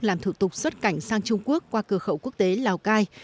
làm thủ tục xuất cảnh sang trung quốc qua cửa khẩu quốc tế lào cai